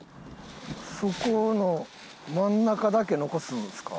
そこの真ん中だけ残すんですか？